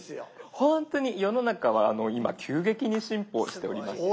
ほんとに世の中は今急激に進歩しておりまして。